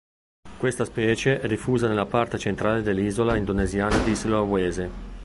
Questa specie è diffusa nella parte centrale dell'isola indonesiana di Sulawesi.